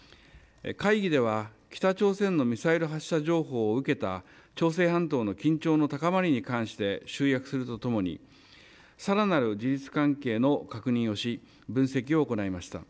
会議では北朝鮮のミサイル発射情報を受けた朝鮮半島の緊張の高まりに関して集約するとともに、さらなる事実関係の確認をし、分析を行いました。